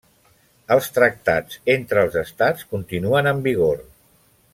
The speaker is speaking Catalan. Els tractats entre els estats continuen en vigor.